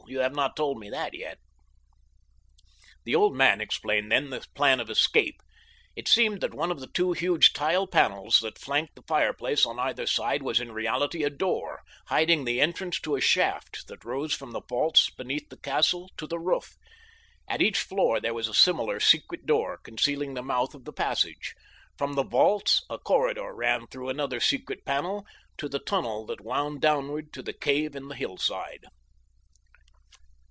You have not told me that as yet." The old man explained then the plan of escape. It seemed that one of the two huge tile panels that flanked the fireplace on either side was in reality a door hiding the entrance to a shaft that rose from the vaults beneath the castle to the roof. At each floor there was a similar secret door concealing the mouth of the passage. From the vaults a corridor led through another secret panel to the tunnel that wound downward to the cave in the hillside.